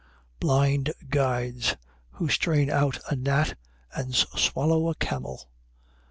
23:24. Blind guides, who strain out a gnat and swallow a camel.